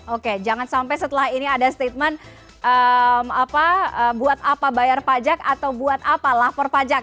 oke jangan sampai setelah ini ada statement buat apa bayar pajak atau buat apa lapor pajak